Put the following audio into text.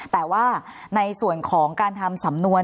แต่ว่าในส่วนของการทำสำนวน